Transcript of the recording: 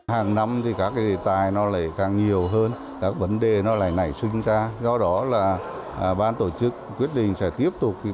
hàng năm thì các cái đề tài nó lại càng nhiều hơn các vấn đề nó lại nảy sinh ra do đó là ban tổ chức quyết định sẽ tiếp tục